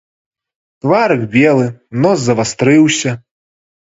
Тварык белы, нос завастрыўся.